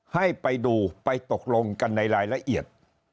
ให้ไปดูไปตกลงกันในรายละเอียด